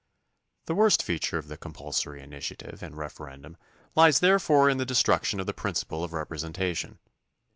The worst feature of the compulsory initiative and referendum lies therefore in the destruction of the principle of representation.